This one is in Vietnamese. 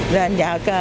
rồi anh vợ cơ